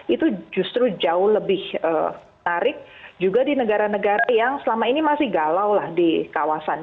itu justru jauh lebih menarik juga di negara negara yang selama ini masih galau lah di kawasan